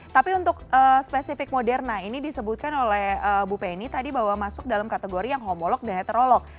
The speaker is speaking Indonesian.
tapi untuk spesifik moderna ini disebutkan oleh bu penny tadi bahwa masuk dalam kategori yang homolog dan heterolog